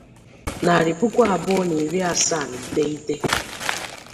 narị puku abụọ na iri asaa na iteghete